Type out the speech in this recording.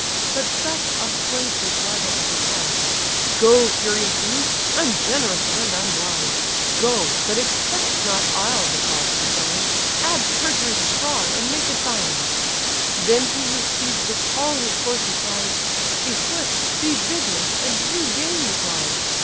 But thus upbraids his rival as he flies: "Go, furious youth! ungenerous and unwise! Go, but expect not I'll the prize resign; Add perjury to fraud, and make it thine—" Then to his steeds with all his force he cries, "Be swift, be vigorous, and regain the prize!